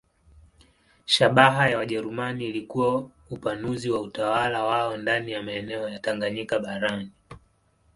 Shabaha ya Wajerumani ilikuwa upanuzi wa utawala wao ndani ya maeneo ya Tanganyika barani.